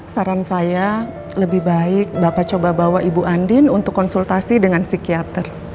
saran saya lebih baik bapak coba bawa ibu andin untuk konsultasi dengan psikiater